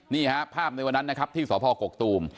นี่ฮะภาพในวันนั้นนะครับที่สพกกตูม